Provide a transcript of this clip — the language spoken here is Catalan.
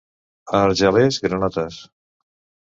A Argelers, granotes.